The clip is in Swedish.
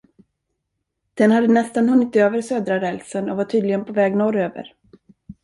Den hade nästan hunnit över södra rälsen och var tydligen på väg norr över.